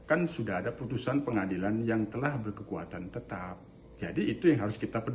ada yang usia anak sudah berkekuatan tetap